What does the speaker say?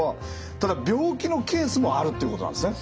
ただ病気のケースもあるってことなんですね。